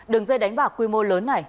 đường dây đánh bạc quy mô lớn này